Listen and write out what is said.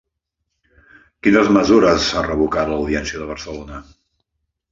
Quines mesures ha revocat l'Audiència de Barcelona?